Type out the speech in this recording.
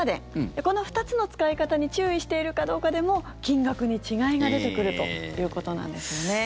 この２つの使い方に注意しているかどうかでも金額に違いが出てくるということなんですよね。